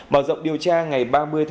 mở rộng điều tra ngày ba mươi chín